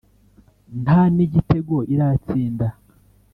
nta n’igitego iratsinda